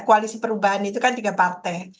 koalisi perubahan itu kan tiga partai